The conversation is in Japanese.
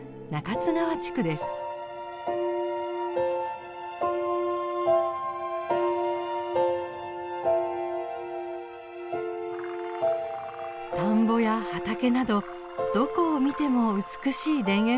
田んぼや畑などどこを見ても美しい田園風景が広がっています。